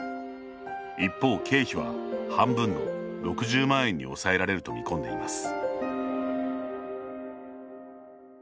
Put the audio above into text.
一方、経費は半分の６０万円に抑えられると見込んでいます。